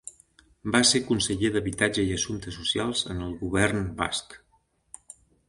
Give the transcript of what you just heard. Va ser Conseller d'Habitatge i Assumptes Socials en el Govern Basc.